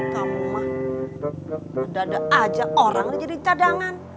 kamu mah dada aja orangnya jadi cadangan